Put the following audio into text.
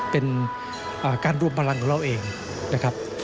เป็นการรวมพลังของเราเองนะครับ